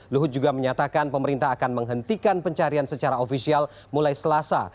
luhut juga menyatakan pemerintah akan menghentikan pencarian secara ofisial mulai selasa